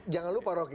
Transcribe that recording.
jangan lupa proki